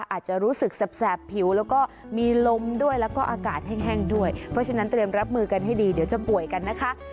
อาจจะรู้สึกแสบผิวแล้วก็มีลมด้วยแล้วก็อากาศแห้งด้วยเพราะฉะนั้นเตรียมรับมือกันให้ดีเดี๋ยวจะป่วยกันนะคะ